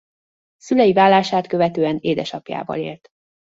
Szülei válását követően édesapjával élt.